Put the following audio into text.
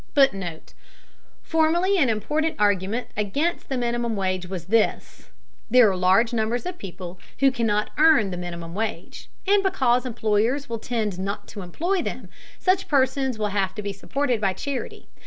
[Footnote: Formerly an important argument against the minimum wage was this: There are large numbers of people who cannot earn the minimum wage, and because employers will tend not to employ them, such persons will have to be supported by charity.